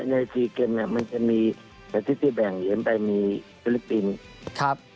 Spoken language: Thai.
ใน๔เหรียญมันจะมีแต่ที่จะแบ่งเหรียญไปมีฟิลิปปินส์